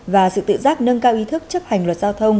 và sự tự giác nâng cao ý thức chấp hành luật giao thông